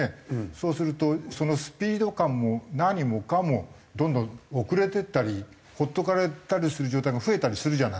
そうするとそのスピード感も何もかもどんどん遅れていったり放っとかれたりする状態が増えたりするじゃない。